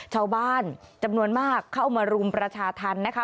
ชาวบ้านจำนวนมากเข้ามารุมประชาธรรมนะคะ